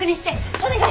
お願い！